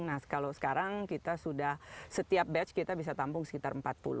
nah kalau sekarang kita sudah setiap batch kita bisa tampung sekitar empat puluh